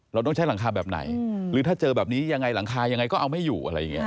เราต้องใช้หลังคาแบบไหนหรือถ้าเจอแบบนี้หลังคายังไงก็เอาไม่อยู่